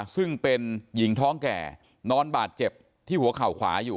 ซึ่งเป็นหญิงท้องแก่นอนบาดเจ็บที่หัวเข่าขวาอยู่